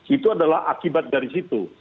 itu adalah akibat dari situ